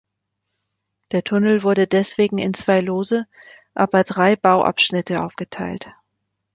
Der Tunnel wurde deswegen in zwei Lose, aber drei Bauabschnitte aufgeteilt.